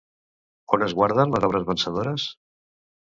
On es guarden les obres vencedores?